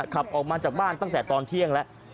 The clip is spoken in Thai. ขับออกมาจากบ้านตั้งแต่ตอนเที่ยงแล้ว